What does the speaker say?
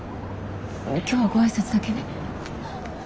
今日はご挨拶だけね。